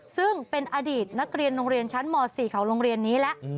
ซึ่งเป็นอดีตนักเรียนโรงเรียนชั้นม๔ของโรงเรียนนี้แล้ว